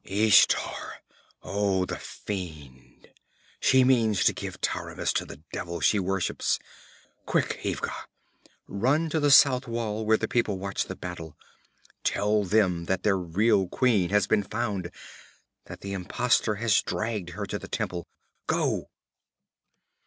'Ishtar! Oh, the fiend! She means to give Taramis to the devil she worships! Quick, Ivga! Run to the south wall where the people watch the battle! Tell them that their real queen has been found that the impostor has dragged her to the temple! Go!'